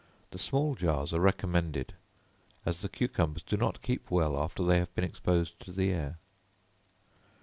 The small jars are recommended as the cucumbers do not keep well after they have been exposed to the air.